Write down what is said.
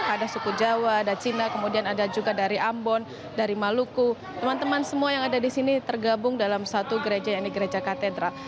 ada suku jawa ada cina kemudian ada juga dari ambon dari maluku teman teman semua yang ada di sini tergabung dalam satu gereja yaitu gereja katedral